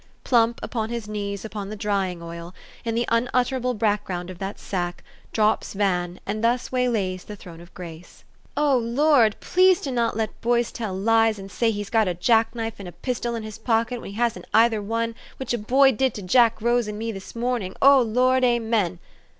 Plump upon his knees 370 THE STORY OF AVIS. upon the drying oil in the unutterable background of that sack drops Van, and thus waylays the throne of grace, '' O Lord ! please to not let boys tell lies and say he's got a jack knife and a pistol in his pocket when he hasn't either one which a boy did to Jack Rose and me this morning O Lord Amen.